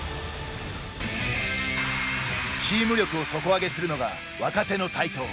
チーム力を底上げするのが若手の台頭。